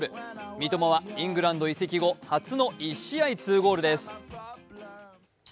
三笘はイングランド移籍後、初の１試合２ゴールです。